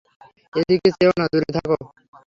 এদিকে চেয়ো না, দূরে থাকো।